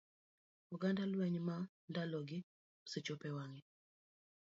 oganda lweny ma ndalogi osechopo e wang'e.